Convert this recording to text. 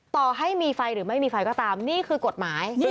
ต่อให้มีไฟหรือไม่มีไฟก็ตามนี่คือกฎหมาย